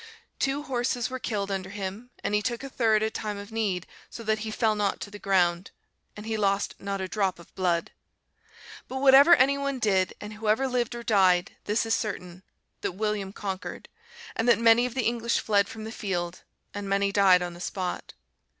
Two horses were killed under him, and he took a third at time of need, so that he fell not to the ground; and he lost not a drop of blood. But whatever any one did, and whoever lived or died, this is certain, that William conquered, and that many of the English fled from the field, and many died on the spot.